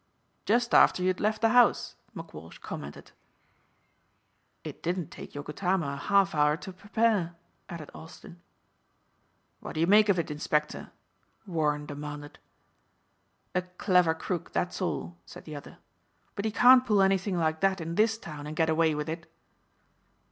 "Just after you'd left the house," McWalsh commented. "It didn't take Yogotama a half hour to prepare," added Austin. "What do you make of it, inspector?" Warren demanded. "A clever crook, that's all," said the other, "but he can't pull anything like that in this town and get away with it."